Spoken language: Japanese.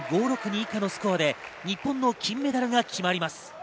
以下のスコアで日本の金メダルが決まります。